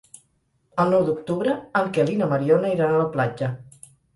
El nou d'octubre en Quel i na Mariona iran a la platja.